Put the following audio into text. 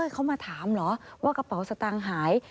เขามาถามเหรอว่ากระเป๋าสตางค์หาย